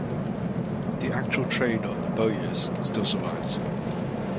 The actual trade of the bowyers still survives.